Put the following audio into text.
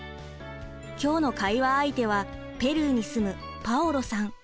今日の会話相手はペルーに住むパオロさん。